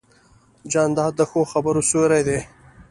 جانداد د ښو خبرو سیوری دی.